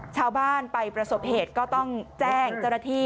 ชาวบ้านไปประสบเหตุก็ต้องแจ้งเจ้าหน้าที่